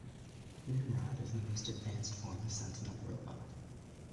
Nimrod is the most advanced form of Sentinel robot.